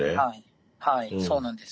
そうなんです。